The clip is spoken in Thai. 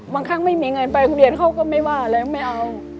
ครั้งไม่มีเงินไปโรงเรียนเขาก็ไม่ว่าอะไรไม่เอา